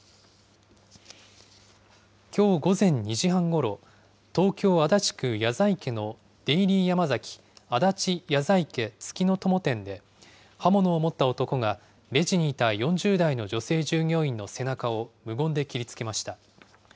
きょう午前２時半ごろ、東京・足立区谷在家のデイリーヤマザキ足立谷在家月の友店で、刃物を持った男がレジにいた４０代の女性従業員の背中を無言で切りつけました。